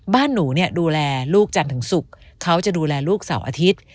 บ้านหนูเนี่ยดูแลลูกจันทร์ถึงศุกร์เขาจะดูแลลูกเสาร์อาทิตย์